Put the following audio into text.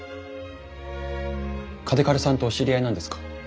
嘉手刈さんとお知り合いなんですか？